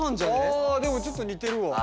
ああでもちょっと似てるわ。